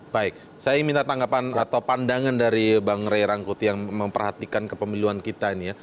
baik saya minta tanggapan atau pandangan dari bang ray rangkuti yang memperhatikan kepemiluan kita ini ya